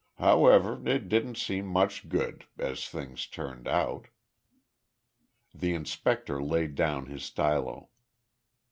However, it didn't seem much good, as things turned out." The inspector laid down his stylo.